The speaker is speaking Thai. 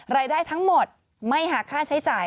รายได้ทั้งหมดไม่หาค่าใช้จ่าย